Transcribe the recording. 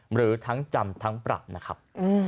หรือทั้งจำทั้งปรับนะครับ